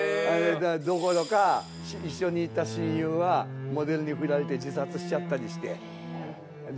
どころか一緒に行った親友はモデルに振られて自殺しちゃったりして。